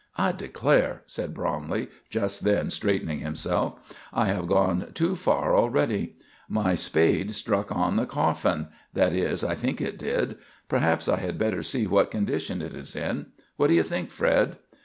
"I declare," said Bromley, just then, straightening himself, "I have gone too far already. My spade struck on the coffin that is, I think it did. Perhaps I had better see what condition it is in. What do you think, Fred?"